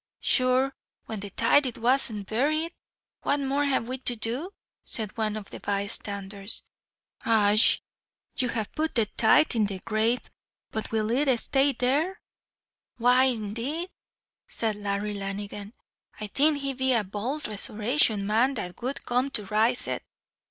"Sure when the tithe is wanst buried, what more have we to do?" said one of the by standers. "Aye, you have put the tithe in the grave but will it stay there?" "Why indeed," said Larry Lanigan, "I think he'd be a bowld resurrection man that would come to rise it."